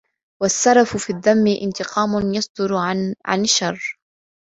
وَالسَّرَفُ فِي الذَّمِّ انْتِقَامٌ يَصْدُرُ عَنْ شَرٍّ